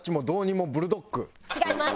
違います！